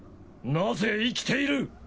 なぜ生きている！？